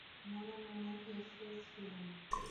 মনে মনে হেসেছিলুম।